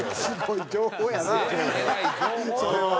それは。